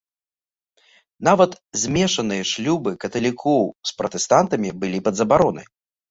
Нават змешаныя шлюбы каталікоў з пратэстантамі былі пад забаронай.